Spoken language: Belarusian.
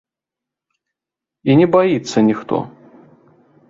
І не баіцца ніхто.